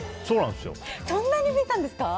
そんなに増えたんですか？